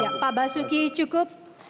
ya pak basuki cukup